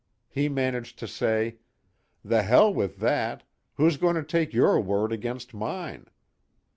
He managed to say: 'The hell with that who's going to take your word against mine?'